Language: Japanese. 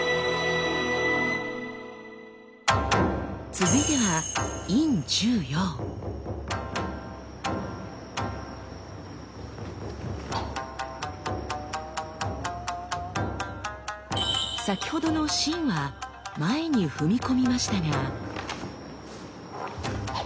続いては先ほどの「真」は前に踏み込みましたが。